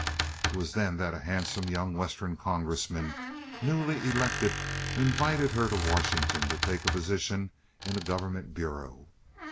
It was then that a handsome young Western Congressman, newly elected, invited her to Washington to take a position in a government bureau.